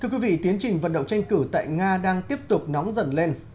thưa quý vị tiến trình vận động tranh cử tại nga đang tiếp tục nóng dần lên